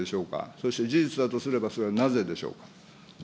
そして事実だとすれば、それはなぜでしょう。